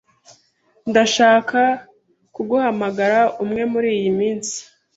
Ndashaka kuguhamagara umwe muriyi minsi.